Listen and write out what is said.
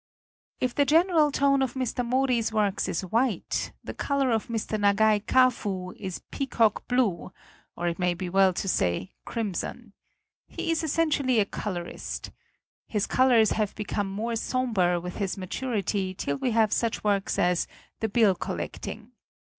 If the general tone of Mr. Mori's works is white, the color of Mr. Nagai Kafu is peacock blue, or it may be well to say, crimson. He is essentially a colorist. His colors have become more somber with his maturity till we have such works as "The Bill Collecting."